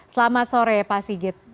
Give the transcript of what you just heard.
selamat sore pak sigit